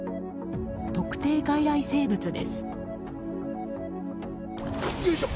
特定外来生物です。